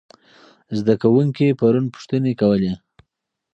زده کوونکي پرون پوښتنې کولې.